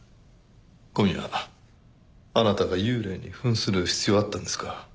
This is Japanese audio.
今夜あなたが幽霊に扮する必要あったんですか？